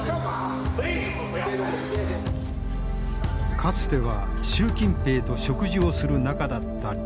かつては習近平と食事をする仲だった李鋭。